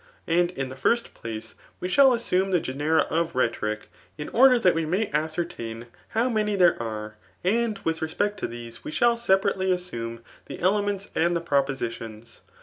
' And in the first place we shall assume the genera df rhetoric, in order that we may ascertain how many there are, and with respect to these we shall separately assuQ^ ib^'demencs and the propositions.